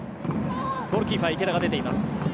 ゴールキーパー、池田が出ています。